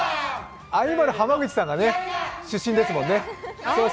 アニマル浜口さんが出身ですもんね。